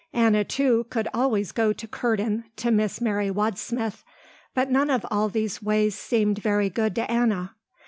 Anna too could always go to Curden to Miss Mary Wadsmith, but none of all these ways seemed very good to Anna.